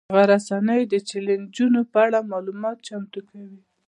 دغه رسنۍ د چلنجونو په اړه معلومات چمتو کوي.